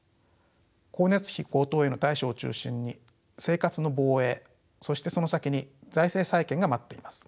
光熱費高騰への対処を中心に生活の防衛そしてその先に財政再建が待っています。